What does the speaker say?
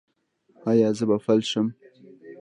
ایا زه به فلج شم؟